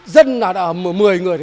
dân là một mươi người